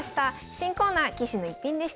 新コーナー「棋士の逸品」でした。